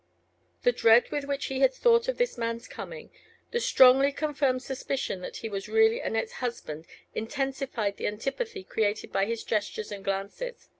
The dread with which he had thought of this man's coming, the strongly confirmed suspicion that he was really Annette's husband, intensified the antipathy created by his gestures and glances.